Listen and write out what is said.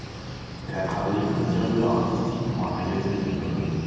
Elle a travaillé comme directeur artistique pour un magazine de mode.